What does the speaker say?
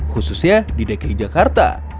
khususnya di dki jakarta